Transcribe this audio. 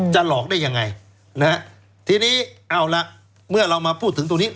หลอกได้ยังไงนะฮะทีนี้เอาละเมื่อเรามาพูดถึงตรงนี้